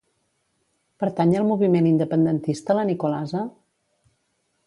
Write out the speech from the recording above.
Pertany al moviment independentista la Nicolasa?